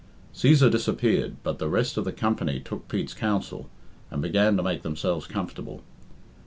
Cæsar disappeared, but the rest of the company took Pete's counsel, and began to make themselves comfortable.